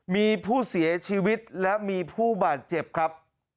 มีผู้เสียชีวิตและมีผู้บาดเจ็บครับ